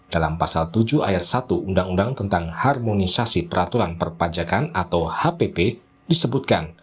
dalam pasal tujuh ayat satu undang undang tentang harmonisasi peraturan perpajakan atau hpp disebutkan